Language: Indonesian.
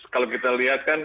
kalau kita lihat kan